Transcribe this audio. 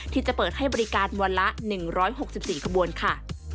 ที่จะเปิดให้บริการวันละ๑๖๔ขบวนค่ะ